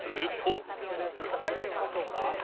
ちょっと入ってみましょうか。